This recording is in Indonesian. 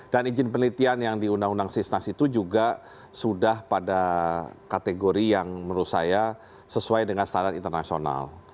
dan perizinan penelitian yang diundang undang sisnas itu juga sudah pada kategori yang menurut saya sesuai dengan standar internasional